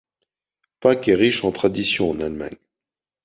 Pâques est riche en traditions en Allemagne.